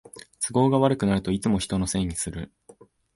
都合が悪くなるといつも人のせいにする